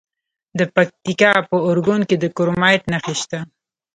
د پکتیکا په ارګون کې د کرومایټ نښې شته.